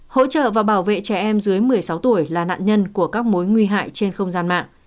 hỗ trợ và bảo vệ trẻ em dưới một mươi sáu tuổi là nạn nhân của các mối nguy hại trên không gian mạng